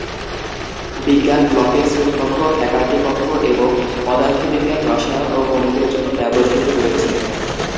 বিজ্ঞান ব্লকে শ্রেণীকক্ষ, ফ্যাকাল্টি কক্ষ এবং পদার্থবিজ্ঞান, রসায়ন ও গণিতের জন্য ল্যাবরেটরি রয়েছে।